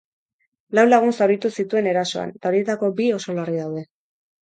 Lau lagun zauritu zituen erasoan, eta horietako bi oso larri daude.